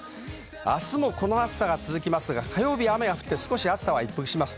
明日もこの暑さが続きますが、火曜日、雨が降ります。